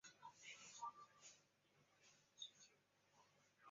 高雄市立油厂国小